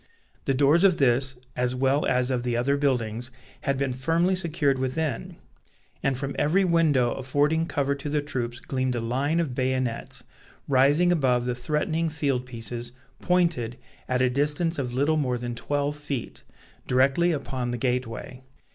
The doors of this, as well as of the other buildings, had been firmly secured within; and from every window affording cover to the troops gleamed a line of bayonets, rising above the threatening field pieces, pointed, at a distance of little more than twelve feet, directly upon the gateway.